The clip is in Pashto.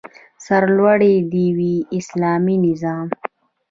سرلوړی دې وي اسلامي نظام؟